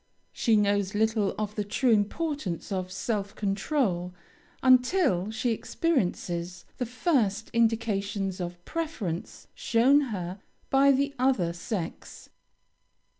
She knows little of the true importance of self control, until she experiences the first indications of preference shown her by the other sex.